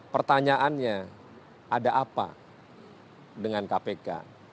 pertanyaannya ada apa dengan kpk